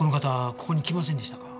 ここに来ませんでしたか？